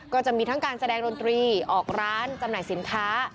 ก็จะมีทั้งการแสดงดนตรีออกร้านจำหน่ายสินค้า